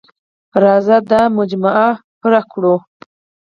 راځه دا مجموعه پوره کړو.